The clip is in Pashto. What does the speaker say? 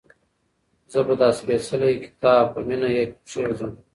زه به دا سپېڅلی کتاب په مینه کېږدم.